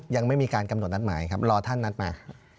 ยังไม่มีการกำหนดนัดหมายครับรอท่านนัดมา